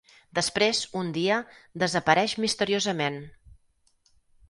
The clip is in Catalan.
Després, un dia, desapareix misteriosament.